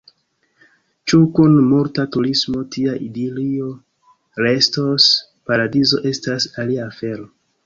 Ĉu kun multa turismo tia idilio restos paradizo, estas alia afero.